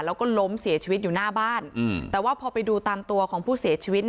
แล้วก็ล้มเสียชีวิตอยู่หน้าบ้านแต่ว่าพอไปดูตามตัวของผู้เสียชีวิต